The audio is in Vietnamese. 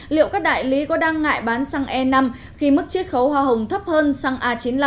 liệu các đại lý có đăng ngại bán xăng e năm khi mức chiết khấu hoa hồng thấp hơn xăng a chín mươi năm